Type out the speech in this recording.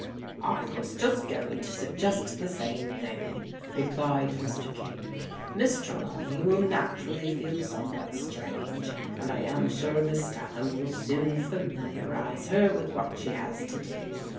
" I was just going to suggest the same thing," replied Mr. King. "Miss Trelawney will naturally feel some what strange, and I am sure Miss Statham will soon familiarize her with what she has to do.